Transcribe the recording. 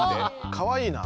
かわいいな。